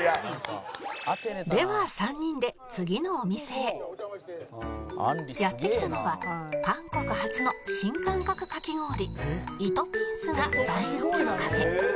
ではやって来たのは韓国発の新感覚かき氷糸ピンスが大人気のカフェ